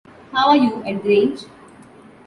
How are you at the Grange?